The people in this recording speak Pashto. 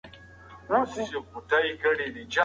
د ملي ټیم کپتان په تلویزیون کې مرکه وکړه.